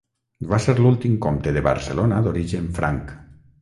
Va ser l'últim comte de Barcelona d'origen franc.